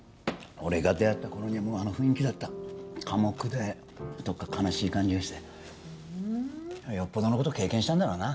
俺が出会った頃にはもうあの雰囲気だった寡黙でどっか悲しい感じがしてふんよっぽどのこと経験したんだろうな